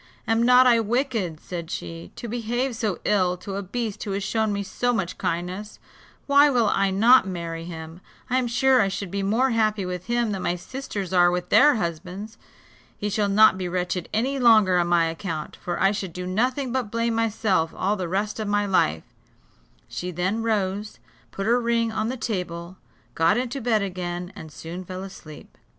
"Am not I wicked," said she, "to behave so ill to a beast who has shown me so much kindness; why will I not marry him? I am sure I should be more happy with him than my sisters are with their husbands. He shall not be wretched any longer on my account; for I should do nothing but blame myself all the rest of my life," She then rose, put her ring on the table, got into bed again, and soon fell asleep.